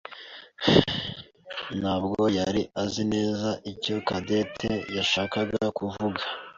ntabwo yari azi neza icyo Cadette yashakaga kuvuga.